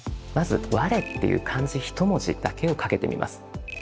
まず「吾」っていう漢字ひと文字だけをかけてみます。